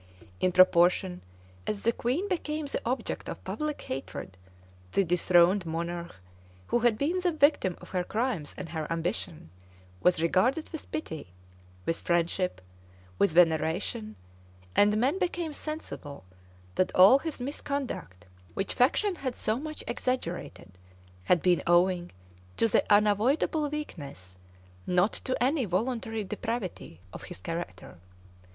In proportion as the queen became the object of public hatred the dethroned monarch, who had been the victim of her crimes and her ambition, was regarded with pity, with friendship, with veneration: and men became sensible, that all his misconduct, which faction had so much exaggerated, had been owing to the unavoidable weakness, not to any voluntary depravity, of his character.